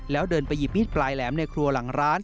แล้วเดินไปหยิบมีดปลายแหลมในครัวหลังร้าน